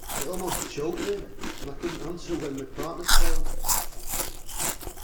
It almost choked me, and I couldn’t answer when my partner spoke.